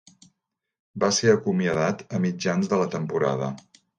Va ser acomiadat a mitjans de la temporada.